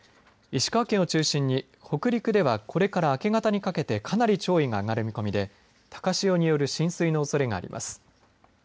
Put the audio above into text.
石川県を中心に北陸ではこれから明け方にかけてかなり潮位が上がる見込みで高潮による浸水のおそれがあります。